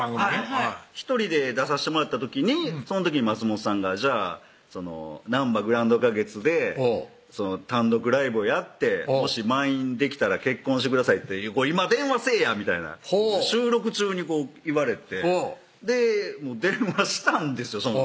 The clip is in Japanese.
はい１人で出さしてもらった時にその時に松本さんが「じゃあなんばグランド花月で単独ライブをやってもし満員にできたら結婚してくださいって今電話せぇや」みたいな収録中に言われてほう電話したんですよ